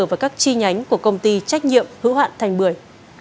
và các chi nhánh của công ty trách nhiệm hữu hạn thành bưởi